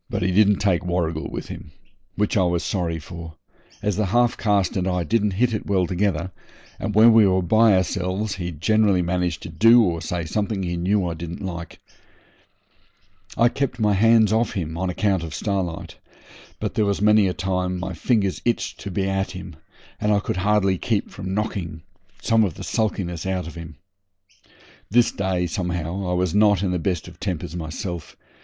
He didn't take Warrigal with him, which I was sorry for, as the half caste and I didn't hit it well together, and when we were by ourselves he generally managed to do or say something he knew I didn't like. I kept my hands off him on account of Starlight, but there was many a time my fingers itched to be at him, and I could hardly keep from knocking some of the sulkiness out of him. This day, somehow, I was not in the best of tempers myself.